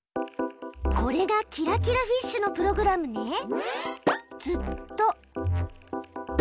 これがキラキラフィッシュのプログラムね！